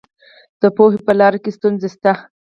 د پوهې په لاره کې ستونزې شته.